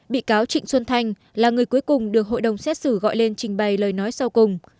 bị cáo trịnh xuân thanh là người cuối cùng được hội đồng xét xử gọi lên trình bày lời nói sau cùng